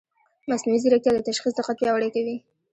مصنوعي ځیرکتیا د تشخیص دقت پیاوړی کوي.